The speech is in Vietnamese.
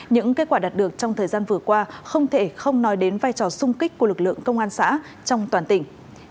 những kết quả đạt được trong thời gian vừa qua không thể không nói đến vai trò sung kích của lực lượng công an xã trong toàn tỉnh